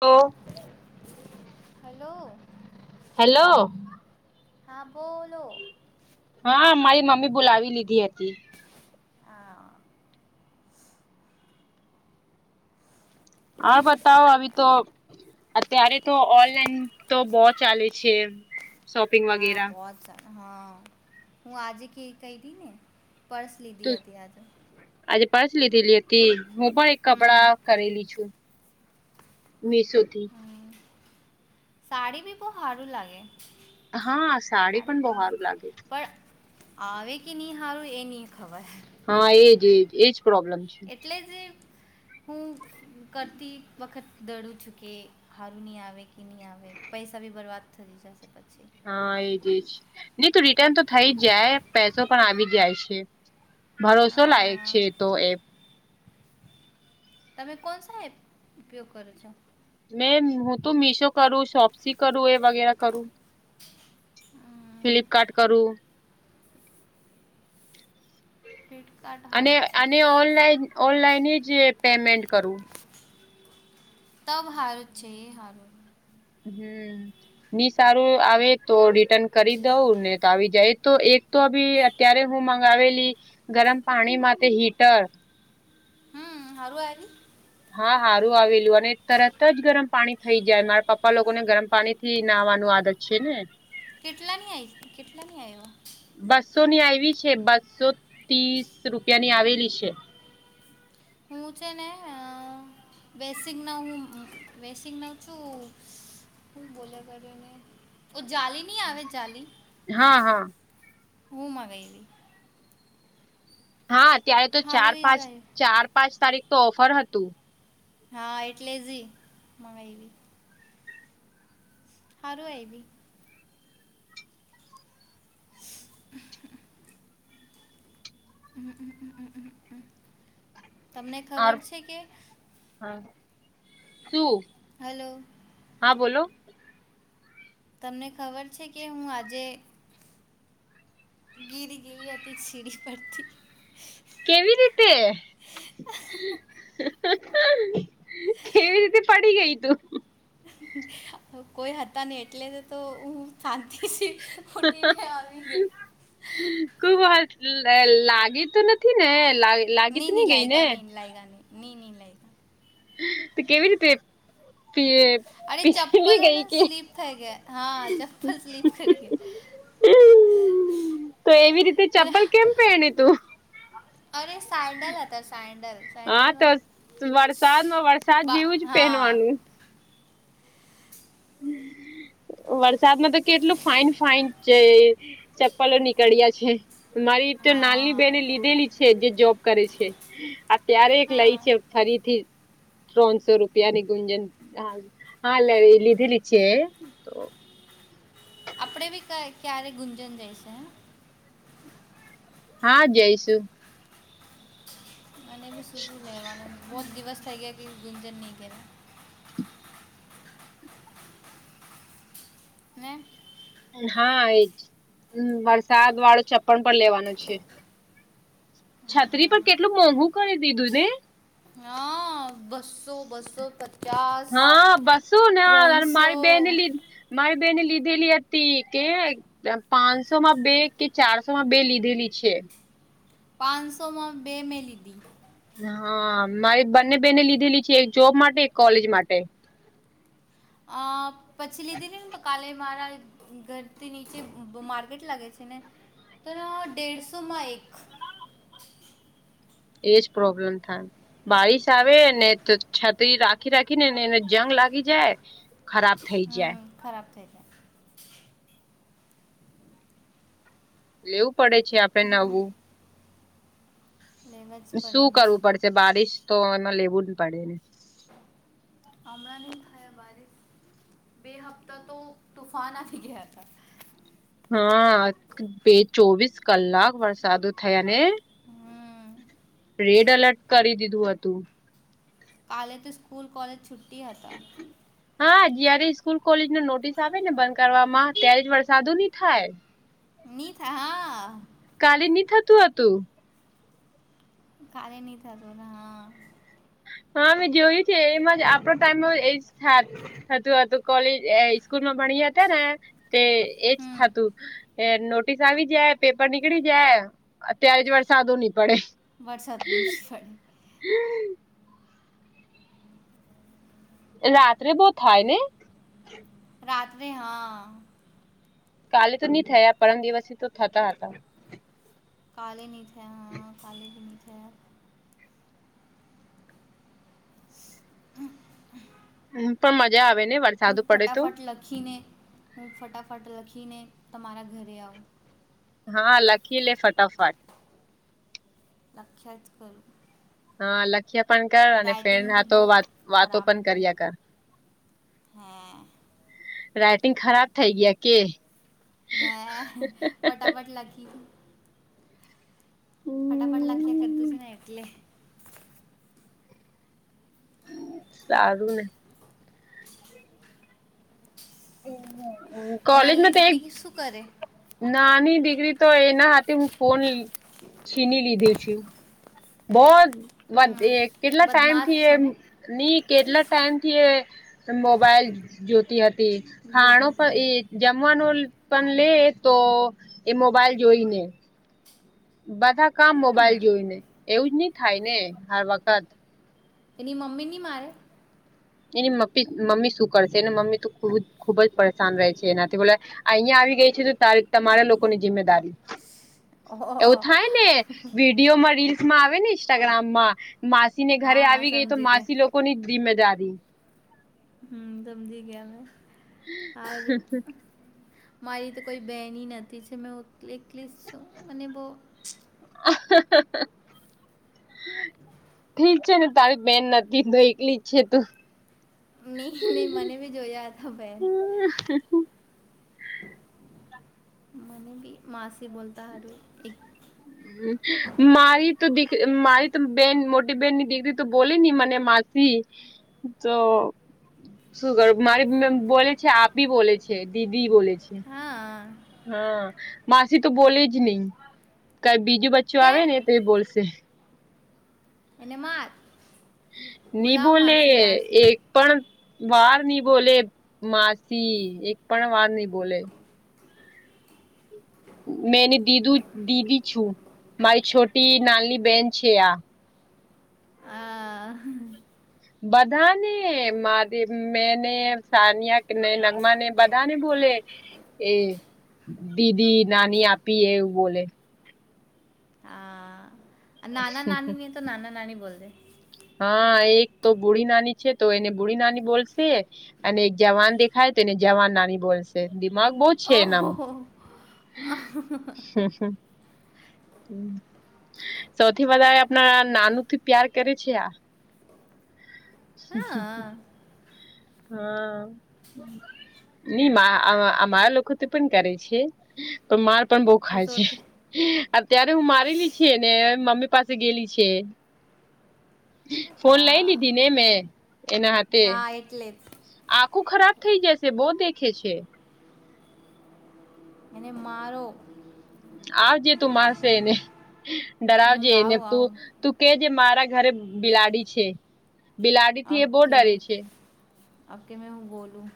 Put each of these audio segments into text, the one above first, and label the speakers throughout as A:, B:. A: Hello.
B: Hello.
A: Hello.
B: હા, બોલો?
A: હા, મારી મમ્મી બોલાવી લીધી હતી.
B: હા.
A: હા, બતાવો હવે તો. ત્યારે તો ઓનલાઈન તો બહુ ચાલે છે. શોપિંગ
B: હા,
A: વગેરા
B: બહુ સારા. હા, હું આજે કે કરી રહી ને પર્સ
A: તો
B: લીધી હતી આજે.
A: આજે પર્સ લીધેલી હતી. હું પણ એક
B: હમ
A: કપડાં કરેલી છું. મીશો થી
B: શાડી બી બહુ હારું લાગે.
A: હા, સાડી પણ બવ હારું લાગે.
B: પણ આવે કે ની હારું એ ની ખબર.
A: હા એજ એજ એજ પ્રોબ્લેમ છે.
B: એટલે જ હું કરતી વખત દડું છું કે હારું નહીં આવે કે નહીં આવે, પૈસા બી બરબાદ થતી જશે પછી.
A: હા, એજ જ. નહીં તો રિટર્ન તો થઇ જ જાય, પૈસો પણ આવી જાય છે. ભરોસો
B: હા
A: લાયક
B: હા
A: છે, તો એ.
B: તમે કોણ સાહેબ ઉપયોગ કરો છો?
A: મેં હું તો મીશો કરું, શોપ્સી કરું એ વગેરે કરું.
B: હમ
A: ફ્લિપકાર્ટ કરું.
B: ફ્લિટકાર્ટ.
A: અને આ ઓનલાઈન ઓનલાઈન જ પેમેન્ટ કરવું.
B: તબ હારત છે એ હારત.
A: હમ્મ, ની સારું આવે તો રિટર્ન કરી દઉં ને તો આવી જાય તો એક તો ભી અત્યારે હું મંગાવેલી ગરમ પાણી માટે હીટર.
B: હમ્મ, હારુ આવી ઈ?
A: હા સારું આવેલું અને તરત જ ગરમ પાણી થઈ જાય મારા પપ્પા લોકોને ગરમ પાણી થી નાહવાનું આદત. છે ને.
B: કેટલા ની આવી કેટલા ની આવ્યા?
A: બસો ની આવી છે બસો ત્રીસ રૂપિયા ની આવેલી છે.
B: હું છે ને અ વેસીગ ના હું વેસીગ ના છું હું બોલ કર એ ને ઓ જલી ની આવે જાલી.
A: હા હા.
B: હુંમાંગઈવી.
A: હા અત્યારે તો ચાર
B: સારું એ
A: પાંચ
B: જ આવ્યું
A: ચાર પાંચ તારીખ તો ઓફર હતું.
B: હા એટલે જી મંગાવવી. હારું એવી. તમને
A: ઓર
B: ખબર છે કે
A: હા, શું?
B: હાલો.
A: હા બોલો.
B: તમને ખબર છે કે હું આજે ગીરી ગેલી હતી સીડી પરથી.
A: કેવી રીતે? કેવી રીતે પડી ગય તું?
B: કોઈ હતા ની એટલે તો હું શાંતિથી ફૂટીને આવી ગઈ.
A: કુ વા લાગે તો નથી ને લાગે?
B: ની ની લાયગા ની લાયગા ની ની લય
A: તે કેવી રીતે તુએ
B: અરે ચપ્પલ એને સ્લીપ થઈ ગયા. હા, ચપ્પલ સ્લીપ કરી ગઈ.
A: તો એવી રીતે
B: મને
A: ચપ્પલ કેમ પહેણી તું?
B: અરે સેન્ડલ હતા સેન્ડલ
A: હા તો
B: સેન્ડલમાં
A: વરસાદમાં વરસાદ
B: બા
A: જેવું જ
B: હા
A: પહેનવાનું. હમ વરસાદમાં તો કેટલું ફાઈન ફાઈન જે ચપ્પલો નીકળ્યા છે. મારી તો નાલની
B: હા
A: બેહેને લીધેલી છે જે જોબ કરે છે આ ત્યારે એક લઈ
B: હા
A: છે. ફરીથી ત્રણસો રૂપિયાની ગુંજન હા લઈ લીધ લી છે.
B: આપડે ભી ક ક્યારે ગુંજન જઈશે
A: હા જઈશું
B: અને બી શુંધું લેવાનું બહુ જ દિવસ થઈ ગયા કે ગુંંજન નહીં કર્યા મેને
A: હા એજ, વરસાદ વાળું ચપ્પણ પણ લેવાનું છે. છત્રી પર કેટલું મોંઘું કરી દીધું ને?
B: હા બસો બસો પ
A: હા બસું ના મારી બેન લીધ મારી બેહેને લીધેલી હતી કે પાંચસો માં બે કે ચારસો માં બે લીધેલી છે.
B: પાંચસોમાં બે મે લીધી.
A: હા મારી બંને બેને લીધેલી છે એક જોબ માટે એક કોલેજ માટે
B: અ પછી લીધી ને તો કાલે મારા ઘરથી નીચે માર્કેટ લાગે છે ને તો દેઢસો માં એક
A: એજ પ્રોબ્લેમ થાય બળિશ આવે ને તો છત્રી રાખી રાખી ને ને એને જંગ લાગી જાય ખરાબ થઈ જાય
B: હમ ખરાબ થઇ જાય
A: લેવું પડે છે આપડે નવું
B: લેવા જ પડે
A: શું
B: નહીં
A: કરવું પડશે બારિશ તો એમાં લેવું જ પડે ને
B: હમણાં થયા બારિશ બે હપ્તા તો તોુફાનાથી ગયા હતા
A: હા બે ચોવીસ કલાક વરસાદો થયા ને
B: હમ
A: રેડ એલર્ટ કરી દીધું હતું
B: કાલે તો સ્કૂલ કોલેજ છુટ્ટી હતા..
A: હા જયારે સ્કૂલ કોલેજ ન નોટિસ આવે ને બંધ કરવામાં ત્યારે જ વરસાદો નહી થાય
B: મની થ હા
A: કાલે નહી થતું હતું.
B: કાલે નહી થતુ હા
A: હા મે જોયું છે એમાં આપડો ટાઈમે થતું હતું કોલેજ સ્કૂલમાં ભણી હતા ને તે એજ
B: હમ
A: થતું. એ નોટિસ આવી જાય, પેપર નીકળી જાય, અત્યારે જ વરસાદો નહી પડે
B: વરસાદ ની ફડ
A: રાત્રે બહુ થાય નય
B: રાત્રે હા
A: કાલે તો નહી થયા પરમ દિવસ થી તો થતા હતા.
B: કાલે નય થયા હા કાલે ભી નય થયા હ
A: હા પણ મજા આવે ને વરસાદ
B: હું ફટાફટ લખીને હું ફટાફટ લખીને તમારા ઘરે આવું.
A: હા લખી લે ફટાફટ
B: લખ્યાજ કરું
A: હા લખ્યા પણ કર અને ફેર
B: રાઇટિંગ બી
A: થાતો
B: બહુ
A: વાતો પણ કર્યા કર
B: હા
A: વ્રાઈટિંગ ખરાબ થઈ ગયા કે?
B: હે ફટાફટ લખી ફટાફટ લખ્યા કરતો છે ને એટલે
A: સારું ને
B: નાલ્લી
A: કોલેજમાં તે
B: દીકરી શું કરે
A: નાની દીકરી તો એના હાથે હું ફોન છીની લીધે છે. બહુ
B: હમ
A: પછી કેટલા ટાઈમ
B: બદમાશ
A: થી એ
B: છે ને
A: ની કેટલા ટાઈમથી મોબાઈલ જો થી હતી ખાણો
B: ડોરે હતી
A: પણ એ જમવાનું પણ લે તો એ મોબાઈલ જોઈને બધા કામ
B: હમ
A: મોબાઈલ જોઈને એવું જ નઈ થાય ને હર વખત
B: એની મમ્મી નય મારે?
A: એની મમ્મી શું કરશે એ મમ્મી તો ખ ખુબ જ પરેશાન રહે છે એનાથી બોલે. અહિયાં આવી ગઈ છે તો તમારા લોકોની જિમ્મેદારી. એવું
B: ઓહ
A: થાય ને વિડીયોમાં રીલ્સ માં આવે ને ઇન્સ્ટાગ્રામ માં ને
B: હા
A: ઘરે
B: હા
A: આવી ગઈ તો
B: સમજી ગયા
A: માસી લોકો ની જિમ્મેદારી
B: હમ સમજી ગયા સારું. મારી તો કોઈ બહેન નથી છે મેં હું એકલી જ છું મને બહુ
A: [unintelligible]
B: [unintelligible]
A: ઠીક છે ને તારી બેન નથી તો એકલી જ છે તું
B: નહી નહી મને ભી જોયા હતા બેન
A: હ
B: મને ભી માસી બોલતા હું એક
A: હમ મારી તો મારી તો બેન મોટી બેન ની દીકરી તો બોલેય નય મને માસી તો શું કરું મારી બોલે છે આપી બોલે છે દીદી બોલે છે
B: હા
A: હા માસી તો બોલે જ નહી કઈ બીજું બચ્ચું આવે
B: કેમ
A: ને તો એ બોલશે
B: એનેમાં
A: ની બોલે
B: માસી
A: એક પણ વાર ની બોલે માસી એક પણ વાર નહી બોલે મેંને દીધું દીદી છું મારી છોટી નાનીની બેન છે આ
B: આ
A: બધા ને મા મેને સાાનિયા ન નગમાને બધા ને બોલે એ દીદી નાની આપી એવું બોલે
B: હા નાના નાની ન તો નાના નાની બોલ દ
A: હા એક તો બુઢી નાની છે તો એને બુઢી નાની બોલશે અને એક જવાન દેખાય તો એને જવાન નાની બોલશે દિમાગ બહ જ છે
B: ઓહો
A: એનામાં
B: હા
A: હ સૌથી વધારે આપણા નાનું થી પ્યાર કરે છે આ હા ન અમારા લોકો તો પણ કરે છે તો માર પણ બહુ ખાય છે અત્યારે હું મારેલી છ ને મમ્મી પાસે ગેલી છે ફોન લઈ
B: હા
A: લીધી ને મેં એના હાથે
B: હા એટલે
A: આખું ખરાબ થઇ જશે બહ દેખે છે
B: એને મારોો
A: આવજે તું મારસે એને ડરાવજે એને તું તું કેજ મારા ઘરે બિલાડી છે બિલાડી થી એ બહુ
B: ઓકે
A: ડરે છે
B: આપકે મેં હું બોલું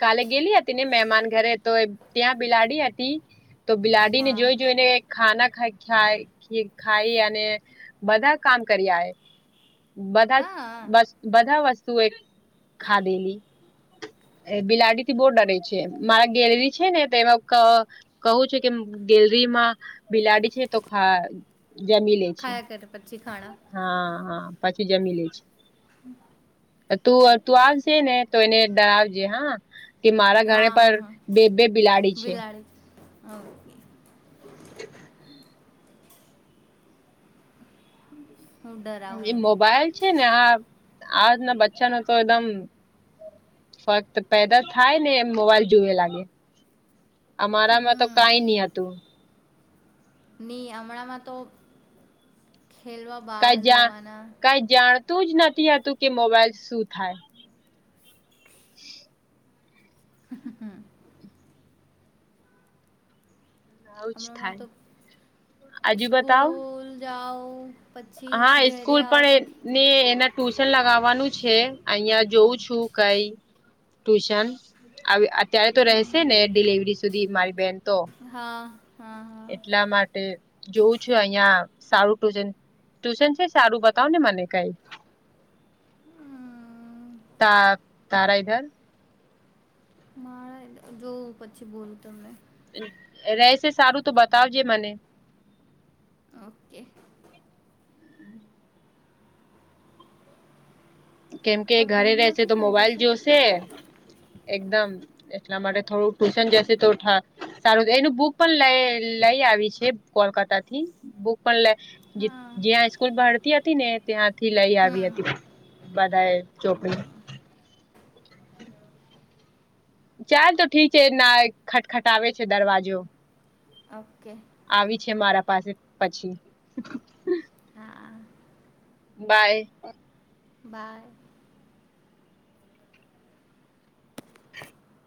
A: કાલે ગેલી હતી ને મહેમાન ઘરે તો ત્યાં બિલાડી હતી તો બિલાડી ને જોઈ જોઈને ખાના ખ ખાઈ અને બધા કામ કર્યા એ બધા
B: હા
A: બધા વસ્તુએ ખાધેલી બિલાડી થી બહુ ડરે છે મારા ગેલેરી છે ને તો એમાં કવું છે કે ગેલરીમાં બિલાડી છે તોા
B: ખાયા કર પછી ખાણા
A: હા હા પાછી જમી લે છે તું તું આવજે ને તો એને ડરાવજે હા કે મારા ઘરે
B: હા
A: પણ બે બે બિલાડી છે
B: હ
A: હ
B: હું ડરાવું
A: એ
B: એને
A: મોબાઈલ છે ને આ આજના બચ્ચા ન તો એકદમ ફક્ત પેદા થાય ને એમ મોબાઈલ જુવે લાગે. અમારામાં તો
B: હમ
A: કઈ નહ હતું.
B: ની હમણાંમાં તો ખેલવા બહાર
A: કઈ જા
B: જવાના
A: કઈ જાણતું જ નથી આ તું કે મોબાઈલ શું થાય. [unintelligible]
B: હા હા
A: આવું જ
B: અમણા
A: થાય
B: તો
A: હજુ બતાવ
B: સ્સ્કૂલ જાઓ પછી
A: હા
B: ઘરે
A: સ્કૂલ
B: આવો તો
A: પણ ને એના ટ્યુશન લગાવવાનું છે અહિયાં જોઉં છું કઈ. ટ્યુશન અત્યારે તો રહેશે
B: હમ,
A: ને ડિલિવરી સુધી મારી બેહેન તો
B: હા હા હા
A: એટલા માટે જોવું છું અહિયાં સારું ટ્યુશન. ટ્યુશન છે સારું બતાવ ને મને કઈ
B: હા
A: તા તારાય ધર
B: મારે જોવું પછી બોલું તમને
A: રશે સારું તો બતાવજે મને
B: ઓકે
A: કેમ કે
B: પર
A: ઘરે
B: દૂર
A: રશે
B: નથી
A: તો
B: થઈ
A: મોબાઈલ
B: જશે
A: જોશે. એકદમ એટલા માટે થોડું ટ્યુશન જશે તો સારું એનું બુક પણ લઈ લઈ આવી છે કોલકાતા થી બુક પણ લ
B: હા
A: જ્યાં સ્કૂલ ભળતી હતી ને ત્યાંથી લઈ આવી
B: હમ
A: હતી બધાએ ચોપડી ચાલ તો ઠીક છે એ ના ખટખટાવે છે દરવાજો
B: ઓકે
A: આવી છે મારા પાસે પછી
B: હા
A: બાય.
B: બાય.